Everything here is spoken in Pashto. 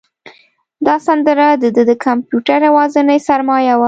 دا سندره د ده د کمپیوټر یوازینۍ سرمایه وه.